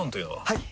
はい！